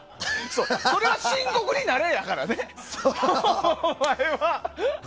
それは深刻になれやからね。